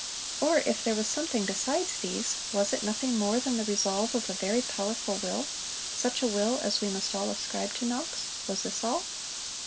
Or if there was something besides these, was it nothing more than the resolve of a very powerful will such a will as we must all ascribe to Knox? Was this all?